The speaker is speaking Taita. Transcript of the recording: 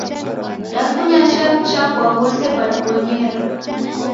Dafunya chaw'ucha kwa ghose kwadibonyera.